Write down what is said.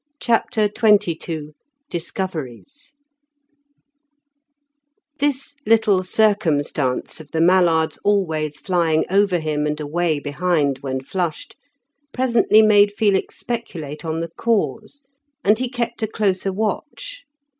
CHAPTER XXII DISCOVERIES This little circumstance of the mallards always flying over him and away behind, when flushed, presently made Felix speculate on the cause, and he kept a closer watch.